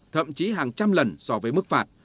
thậm chí hàng trăm lần so với mức phạt